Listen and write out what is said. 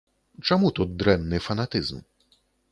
Чаму тут дрэнны фанатызм?